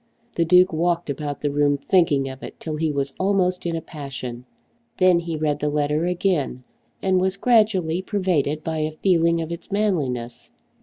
The Duke walked about the room thinking of it till he was almost in a passion. Then he read the letter again and was gradually pervaded by a feeling of its manliness.